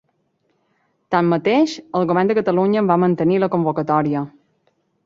Tanmateix, el Govern de Catalunya en va mantenir la convocatòria.